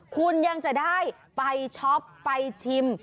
คุณยังจะได้ไปช็อปไปชิม